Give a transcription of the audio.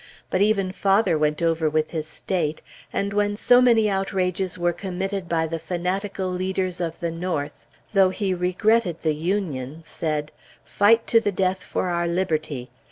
But even father went over with his State, and when so many outrages were committed by the fanatical leaders of the North, though he regretted the Union, said, "Fight to the death for our liberty."